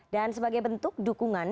dan sebagai bentuk dukungan